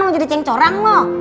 mau jadi cengcorang lo